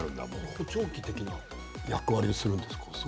補聴器的な役割をするんですか。